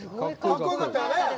かっこよかったよね。